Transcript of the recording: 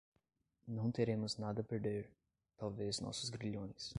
Não teremos nada a perder, talvez nossos grilhões